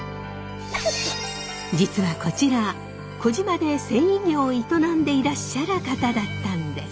実はこちら児島で繊維業を営んでいらっしゃる方だったんです！